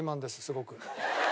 すごく。